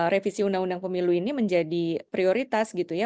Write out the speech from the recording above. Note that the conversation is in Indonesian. revisi undang undang pemilu ini menjadi prioritas gitu ya